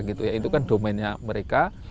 itu kan domennya mereka